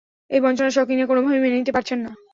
এই বঞ্চনা সকিনা কোনোভাবেই মেনে নিতে পারছেন না।